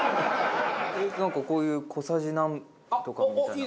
なんかこういう小さじナントカみたいな。